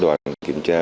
đoàn kiểm tra